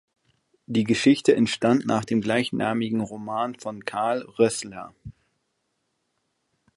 Die Geschichte entstand nach dem gleichnamigen Roman von Carl Rössler.